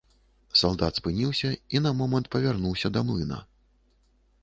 Салдат спыніўся і на момант павярнуўся да млына.